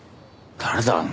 誰だ？